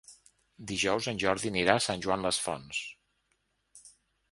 Dijous en Jordi anirà a Sant Joan les Fonts.